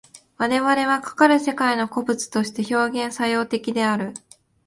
我々はかかる世界の個物として表現作用的である。